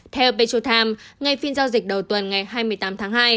theo petrotem ngay phiên giao dịch đầu tuần ngày hai mươi tám tháng hai